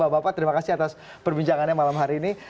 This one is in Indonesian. bapak bapak terima kasih atas perbincangannya malam hari ini